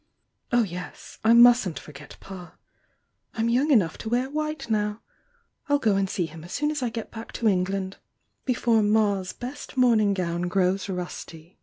Oh, yes, I mustn't forget Pa ! I'm young enough to wear white now !— I'll go and see him ss soon os I get back to England — ^before Ma's best mourning gown grows rusty!"